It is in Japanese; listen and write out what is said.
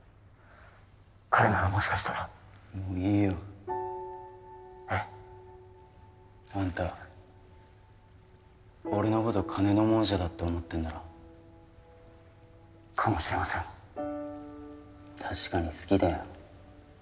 彼ならもしかしたらもういいよえっ？あんた俺のこと金の亡者だって思ってんだろかもしれません確かに好きだよ